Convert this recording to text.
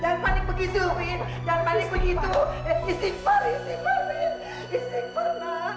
jangan panik begitu istighfar istighfar ibin istighfar nak